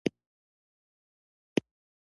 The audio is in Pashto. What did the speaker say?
عبارت تر کلیمې غټ او تر جملې کوچنی دئ